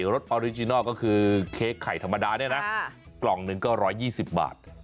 สออริจินัลก็คือเค้กไข่ธรรมดาเนี่ยนะกล่องหนึ่งก็๑๒๐บาท